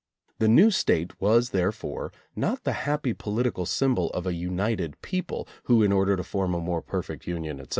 The new State was therefore not the happy po litical symbol of a united people, who in order to form a more perfect union, etc.